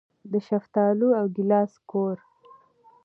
د شفتالو او ګیلاس کور.